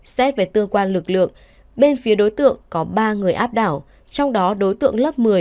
xét về cơ quan lực lượng bên phía đối tượng có ba người áp đảo trong đó đối tượng lớp một mươi